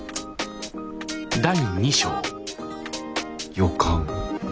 「予感」。